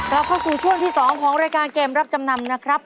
เราเข้าสู่ช่วงที่๒ของรายการเกมรับจำนำนะครับ